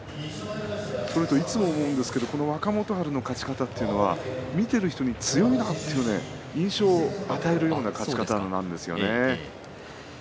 それと、いつも思うんですけど若元春の勝ち方というのは見ている人に強いなという印象を与えるような勝ち方なんですよね。